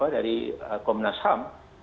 dari komnas ham